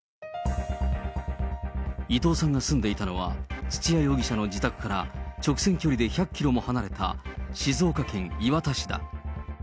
伊藤さんが住んでいたのは、土屋容疑者の自宅から直線距離で１００キロも離れた静岡県磐田市だ。